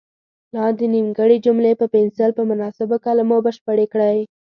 لاندې نیمګړې جملې په پنسل په مناسبو کلمو بشپړې کړئ.